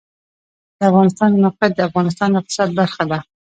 د افغانستان د موقعیت د افغانستان د اقتصاد برخه ده.